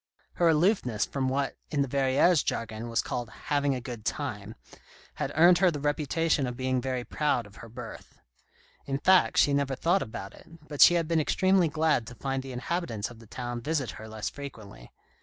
Her aloofness from what, in the Verrieres' jargon, was called " having a good time," had earned her the reputation of being very proud of her birth. In fact, she never thought about it, but she had been extremely glad to find the inhabitants of the town visit her less frequently.